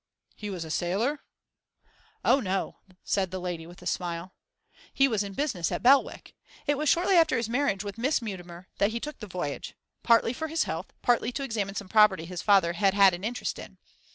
'He was a sailor?' 'Oh, no!' said the lady, with a smile. 'He was in business at Belwick. It was shortly after his marriage with Miss Mutimer that he took the voyage partly for his health, partly to examine some property his father had had an interest in.